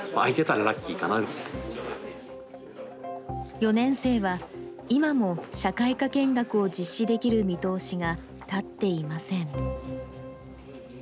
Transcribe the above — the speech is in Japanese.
４年生は、今も社会科見学を実施できる見通しが立っていません。